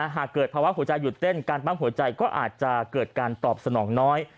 หากเกิดภาวะหัวใจหยุดเต้นการปั๊มหัวใจก็อาจจะเกิดการตอบสนองน้อย